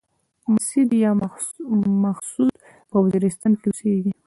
مسيد يا محسود په وزيرستان کې اوسيږي.